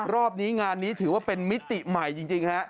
รอบนี้งานนี้ถือว่าเป็นมิติใหม่จริงฮะ